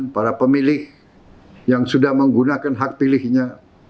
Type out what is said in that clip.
para pemilih yang sudah menggunakan hak pilihnya